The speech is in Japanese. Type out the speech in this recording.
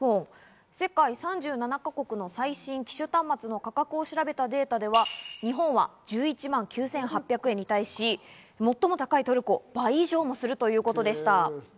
世界３７か国の最新機種端末の価格を調べたデータでは日本は１１万９８００円に対し、最も高いトルコ、倍以上もするということでした。